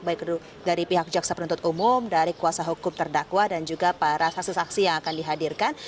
baik dari pihak jaksa penuntut umum dari kuasa hukum terdakwa dan juga para saksi saksi yang akan dihadirkan